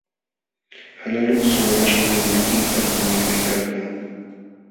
Qalaluksu walaśhkuna llakiypaq mañapakuykalkan.